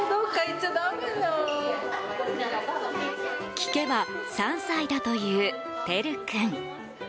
聞けば３歳だという、てる君。